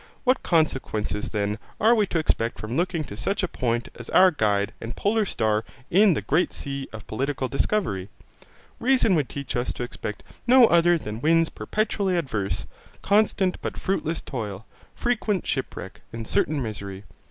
What consequences then are we to expect from looking to such a point as our guide and polar star in the great sea of political discovery? Reason would teach us to expect no other than winds perpetually adverse, constant but fruitless toil, frequent shipwreck, and certain misery.